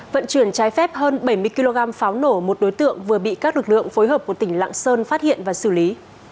vận chuyển trái phép hơn bảy mươi kg pháo nổ một đối tượng vừa bị các lực lượng phối hợp của tỉnh lạng sơn phát hiện và xử lý